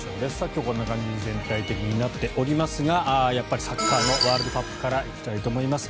今日はこんな感じに全体的になっておりますがやっぱりサッカーのワールドカップから行きたいと思います。